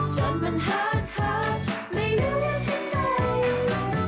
จนมันเฮิดไม่อยู่อยู่ที่ไหน